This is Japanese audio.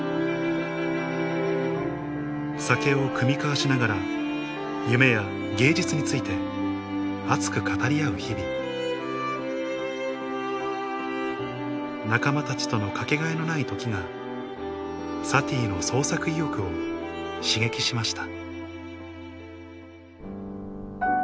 酒を酌み交わしながら夢や芸術について熱く語り合う日々仲間たちとのかけがえのない時がサティの創作意欲を刺激しました